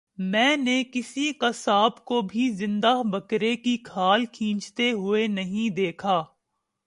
میں نے کسی قصاب کو بھی زندہ بکرے کی کھال کھینچتے ہوئے نہیں دیکھا